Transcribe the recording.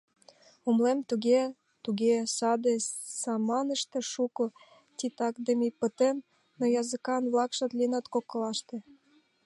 Умылем, туге-туге, саде саманыште шуко титакдыме пытен, но языкан-влакшат лийыныт коклаште.